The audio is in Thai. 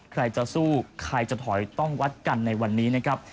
ใครจะสู้ใครจะถอยต้องวัดกันในวันนี้นะครับ